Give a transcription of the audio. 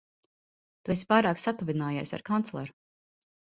Tu esi pārāk satuvinājies ar kancleru.